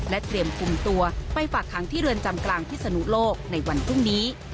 เตรียมคุมตัวไปฝากค้างที่เรือนจำกลางพิศนุโลกในวันพรุ่งนี้